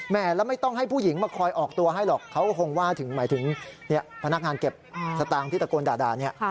แล้วไม่ต้องให้ผู้หญิงมาคอยออกตัวให้หรอกเขาคงว่าถึงหมายถึงพนักงานเก็บสตางค์ที่ตะโกนด่าเนี่ย